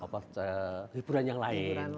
penonton hiburan yang lain